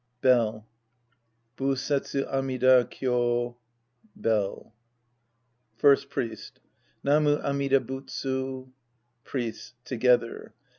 {Bell.) Bussetsu Amida Kyo. {Bell.)* First Priest. Namu Amida Butsu. Priests {together).